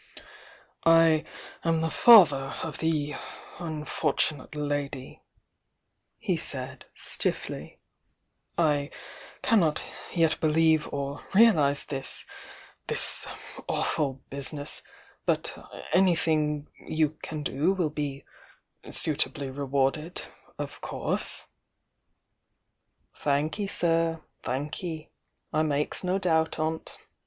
"I am the father of the unfortunate lady," he said stifiBy. "I cannot yet believe or realise this ; this awful business; but anything you can do will be suitably rewarded — of course " "Thanky, sir, thanky! I makes no doubt on't!